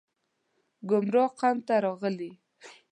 ګمراه قوم ته راغلي